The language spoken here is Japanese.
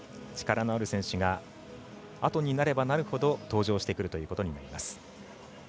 力のある選手があとになればなるほど登場してくるということになります。